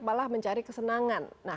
malah mencari kesenangan